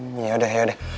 hmm yaudah yaudah